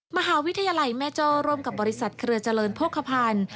มหาวิทยาลัยแม่โจ้ร่วมกับบริษัทเครือเจริญโภคภัณฑ์